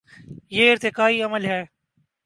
یہ ارتقائی عمل ہے۔